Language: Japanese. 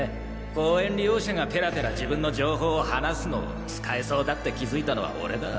公園利用者がぺらぺら自分の情報を話すのを使えそうだって気づいたのは俺だ。